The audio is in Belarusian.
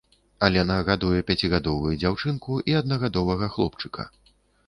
Алена гадуе пяцігадовую дзяўчынку і аднагадовага хлопчыка.